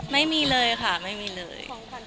ไม่มีเลยค่ะไม่มีเลย